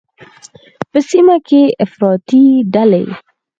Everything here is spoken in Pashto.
په سیمه کې افراطي ډلې